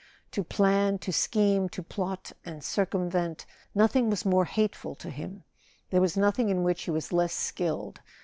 To plan, to scheme, to plot and circumvent—nothing was more hateful to him, there was nothing in which he was less skilled.